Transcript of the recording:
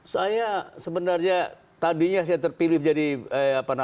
soalnya sebenarnya tadinya saya terpilih menjadi bupati bungu selatan